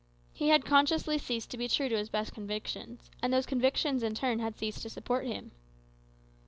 He had consciously ceased to be true to his best convictions, and those convictions, in turn, had ceased to support him.